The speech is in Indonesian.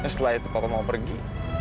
setelah itu bapak mau pergi